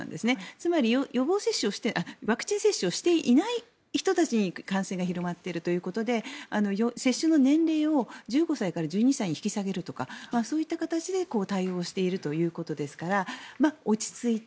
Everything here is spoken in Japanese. つまり、ワクチン接種をしていない人たちに感染が広まっているということで接種の年齢を１５歳から１２歳に引き下げるとかそういった形で対応しているということですから落ち着いて